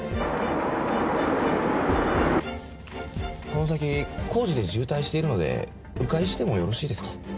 この先工事で渋滞しているので迂回してもよろしいですか？